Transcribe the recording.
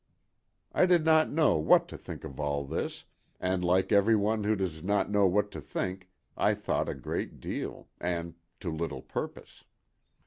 I did not know what to think of all this, and like every one who does not know what to think I thought a great deal, and to little purpose.